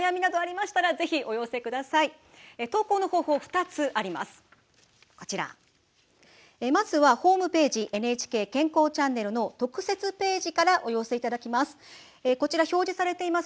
まずはホームページ「ＮＨＫ健康チャンネル」の特設ページからお寄せいただきます。